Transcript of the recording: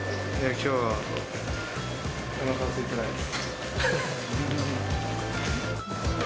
きょうは、おなかはすいてないです。